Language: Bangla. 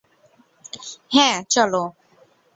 হ্যাঁ, চলো।